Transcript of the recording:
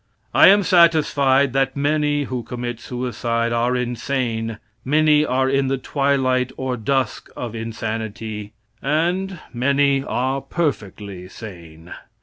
I am satisfied that many who commit suicide are insane, many are in the twilight or dusk of insanity, and many are perfectly sane.